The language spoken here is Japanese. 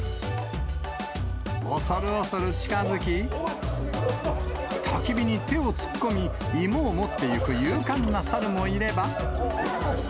恐る恐る近づき、たき火に手を突っ込み、芋を持ってゆく勇敢なサルもいれば。